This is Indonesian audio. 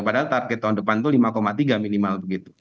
padahal target tahun depan itu lima tiga minimal begitu